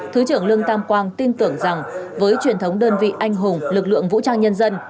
thứ trưởng lương tam quang tin tưởng rằng với truyền thống đơn vị anh hùng lực lượng vũ trang nhân dân